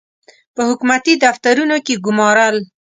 په حکومتي دفترونو کې ګومارل.